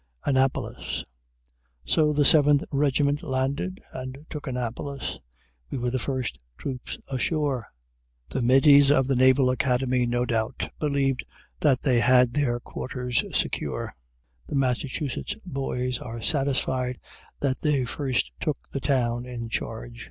ANNAPOLIS So the Seventh Regiment landed and took Annapolis. We were the first troops ashore. The middies of the Naval Academy no doubt believe that they had their quarters secure. The Massachusetts boys are satisfied that they first took the town in charge.